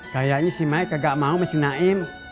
kayanya si maik gak mau sama si naim